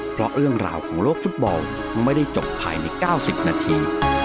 เพราะเรื่องราวของโลกฟุตบอลไม่ได้จบภายใน๙๐นาที